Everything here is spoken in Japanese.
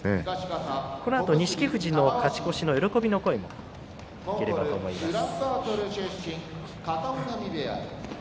このあと錦富士の勝ち越しの喜びの声も聞こえると思います。